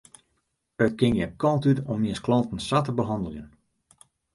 It kin gjin kant út om jins klanten sa te behanneljen.